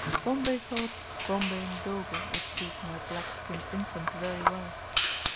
Bombay thought "Bombay Mdogo" would suit my black skinned infant very well.